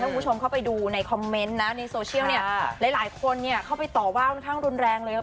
คุณผู้ชมเข้าไปดูในคอมเมนต์นะในโซเชียลเนี่ยหลายหลายคนเนี่ยเข้าไปต่อว่าค่อนข้างรุนแรงเลย